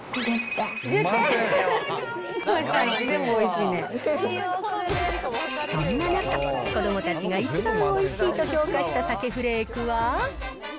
まおちゃん、そんな中、子どもたちが一番おいしいと評価した鮭フレークは。